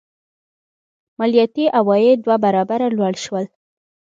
مالیاتي عواید دوه برابره لوړ شول.